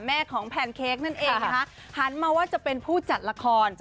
แม่ของแพนเค้กนั่นเองนะคะหันมาว่าจะเป็นผู้จัดละคร